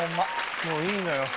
もういいのよ。